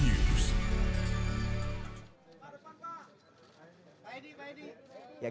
itu tadi jawab